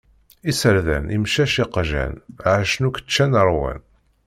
Iserdan, imcac, iqjan ; ɛacen yakk ččan ṛwan.